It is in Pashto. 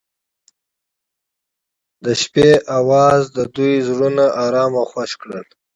د شپه اواز د دوی زړونه ارامه او خوښ کړل.